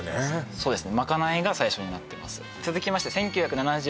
そうですね